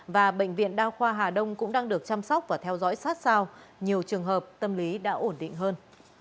và bệnh viện đa khoa hà đông cũng đang được chăm sóc và theo dõi sát sao nhiều trường hợp tâm lý đã ổn định hơn